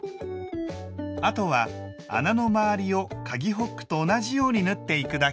あとは穴の周りをかぎホックと同じように縫っていくだけ。